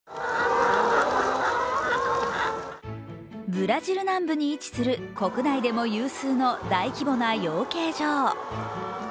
ブラジル南部に位置する国内でも有数の大規模な養鶏場。